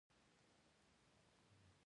غمجنو وګړو ته رسیږي.